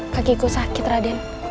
kakiku sakit raden